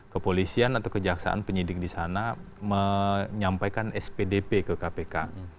kepolisian atau kejaksaan penyidik di sana menyampaikan spdp ke kpk